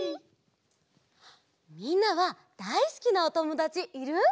みんなはだいすきなおともだちいる？